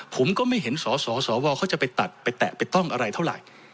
ผมก็ไม่เห็นส่อสศวเขาจะไปว่าไปตัดไปแตะไว้ต้องอะไรเท่าไร